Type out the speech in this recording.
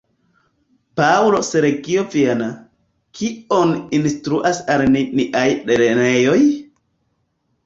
Paŭlo Sergio Viana, "Kion instruas al ni niaj lernejoj?